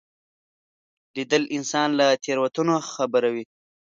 لیدل انسان له تېروتنو خبروي